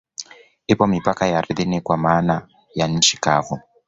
Ipo mipaka ya ardhini kwa maana ya nchi kavu